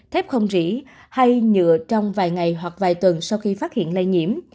thép không rỉ hay nhựa trong vài ngày hoặc vài tuần sau khi phát hiện lây nhiễm